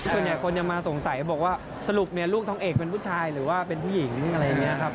ส่วนใหญ่คนจะมาสงสัยบอกว่าสรุปเนี่ยลูกทองเอกเป็นผู้ชายหรือว่าเป็นผู้หญิงอะไรอย่างนี้ครับ